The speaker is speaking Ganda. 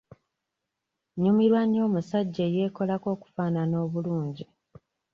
Nnyumirwa nnyo omusajja eyeekolako okufaanana obulungi.